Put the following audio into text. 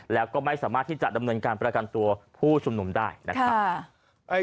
แล้วก็ไม่สามารถที่จะดำเนินการประกันตัวผู้ชุมนุมได้นะครับ